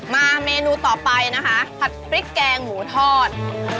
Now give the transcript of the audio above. เมนูต่อไปนะคะผัดพริกแกงหมูทอด